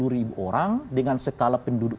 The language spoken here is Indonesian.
empat ratus lima puluh ribu orang dengan skala penduduk